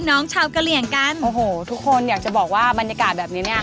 โอ้โหทุกคนอยากจะบอกว่าบรรยากาศแบบนี้เนี่ย